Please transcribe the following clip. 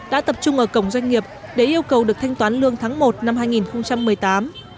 đã tập trung ở cổng doanh nghiệp để yêu cầu được thanh toán lương tháng một năm hai nghìn một mươi tám